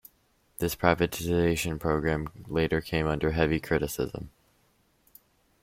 This privatization program later came under heavy criticism.